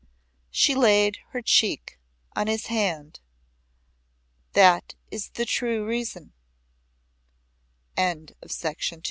She laid her cheek on his hand. "That is the true reason." But he drew it